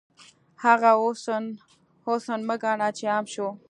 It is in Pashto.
هغه حسن، حسن مه ګڼه چې عام شو